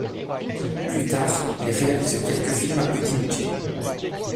Plus tard, il réalise quelques films à petit budget.